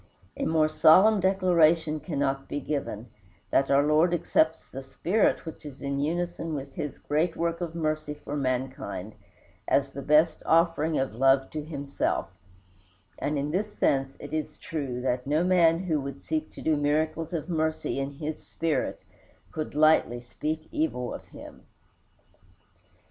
A more solemn declaration cannot be given, that our Lord accepts the spirit which is in unison with his great work of mercy for mankind, as the best offering of love to himself; and in this sense it is true that no man who would seek to do miracles of mercy in His spirit could lightly speak evil of him.